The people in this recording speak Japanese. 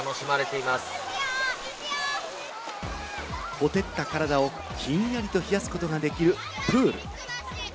火照った体をひんやりと冷やすことができるプール。